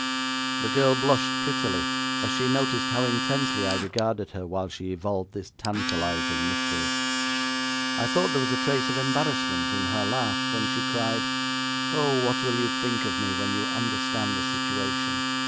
The girl blushed prettily as she noticed how intently I regarded her while she evolved this tantalising mystery. I thought there was a trace of embarrassment in her laugh when she cried: 'Oh, what will you think of me when you understand the situation?